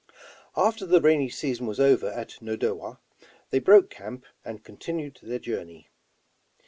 After the rainy season was over at Nodowa, they broke camp and continued their journey.